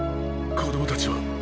子供たちは？